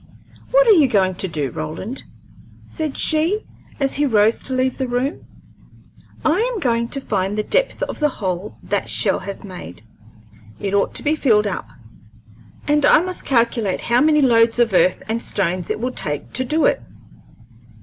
"What are you going to do, Roland?" said she, as he rose to leave the room. "I am going to find the depth of the hole that shell has made. It ought to be filled up, and I must calculate how many loads of earth and stones it will take to do it."